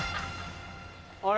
あれ？